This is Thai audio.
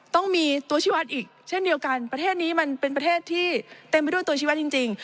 ต้องมีตัวชีวัตรอีกเช่นเดียวกันประเทศนี้มันเป็นประเทศที่เต็มไปด้วยตัวชีวัตรจริง